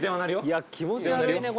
いや気持ち悪いね